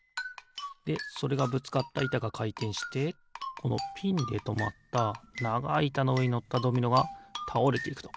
でそれがぶつかったいたがかいてんしてこのピンでとまったながいいたのうえにのったドミノがたおれていくと。